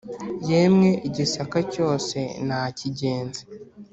yemwe i gisaka cyose nakigenze